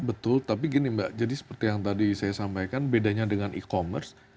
betul tapi gini mbak jadi seperti yang tadi saya sampaikan bedanya dengan e commerce